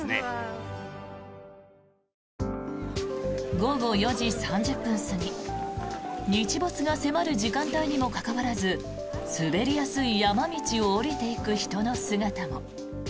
午後４時３０分過ぎ日没が迫る時間帯にもかかわらず滑りやすい山道を下りていく人の姿も。